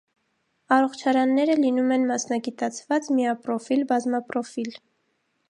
Առողջարանները լինում են մասնագիտացված, միապրոֆիլ, բազմապրոֆիլ։